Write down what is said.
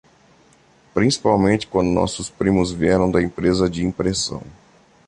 Principalmente quando nossos primos vieram da empresa de impressão.